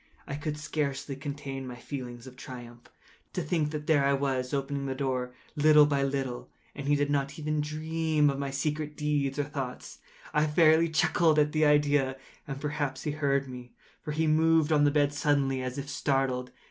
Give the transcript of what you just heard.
I could scarcely contain my feelings of triumph. To think that there I was, opening the door, little by little, and he not even to dream of my secret deeds or thoughts. I fairly chuckled at the idea; and perhaps he heard me; for he moved on the bed suddenly, as if startled.